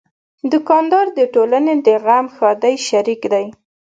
دوکاندار د ټولنې د غم ښادۍ شریک دی.